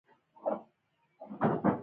په کوم ځای کې؟